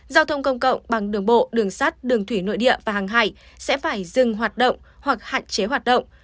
giao thông công cộng bằng đường bộ đường sắt đường thủy nội địa và hàng hải sẽ phải dừng hoạt động hoặc hạn chế hoạt động